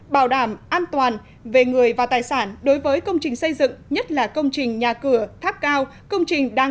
sáu bộ công thương